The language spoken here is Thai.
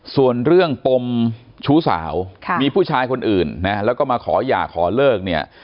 ส่วนเรื่องปมชู้สาวมีผู้ชายคนอื่นนะแล้วก็มาขอหย่าขอเลิกเนี่ย